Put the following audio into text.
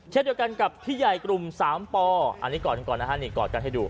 เช่นเดียวกันกับพี่ใหญ่กลุ่มสามปออันนี้กอดกันก่อนนะฮะนี่กอดกันให้ดู